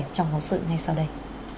trong hóa sự ngay sau đây